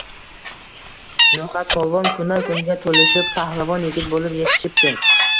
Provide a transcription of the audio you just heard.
No’xatpolvon kundan-kunga to’lishib, pahlavon yigit bo’lib yetishipti.